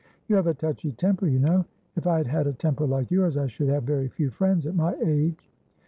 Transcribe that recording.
You have a touchy temper, you know. If I had had a temper like yours, I should have very few friends at my age."